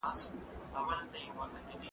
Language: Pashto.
ولسمشر په خپل نرم غږ د عسکر ذهن روښانه کړ.